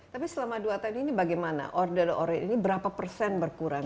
tapi selama dua tahun ini bagaimana order order ini berapa persen berkurang